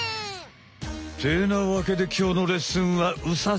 ってなわけできょうのレッスンはうさちゃんち！